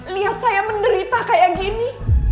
lihat saya menderita kayak gini